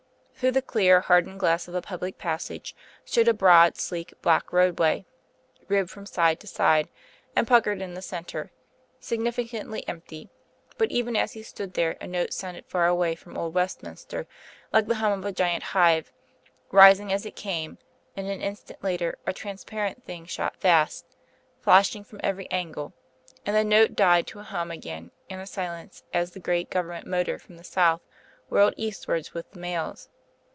Through the clear, hardened glass of the public passage showed a broad sleek black roadway, ribbed from side to side, and puckered in the centre, significantly empty, but even as he stood there a note sounded far away from Old Westminster, like the hum of a giant hive, rising as it came, and an instant later a transparent thing shot past, flashing from every angle, and the note died to a hum again and a silence as the great Government motor from the south whirled eastwards with the mails.